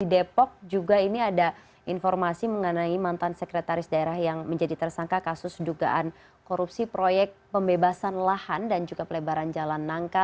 di depok juga ini ada informasi mengenai mantan sekretaris daerah yang menjadi tersangka kasus dugaan korupsi proyek pembebasan lahan dan juga pelebaran jalan nangka